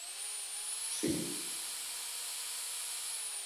Шъитӏу.